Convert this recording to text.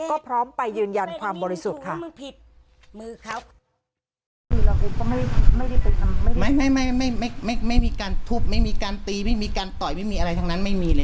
ก็พร้อมไปยืนยันความบริสุทธิ์ค่ะ